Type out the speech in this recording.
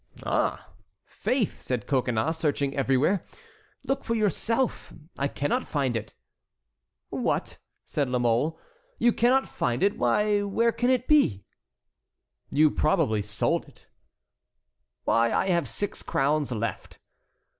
"Ah, faith," said Coconnas, searching everywhere, "look for yourself, I cannot find it." "What!" said La Mole, "you cannot find it? Why, where can it be?" "You probably sold it." "Why, I have six crowns left."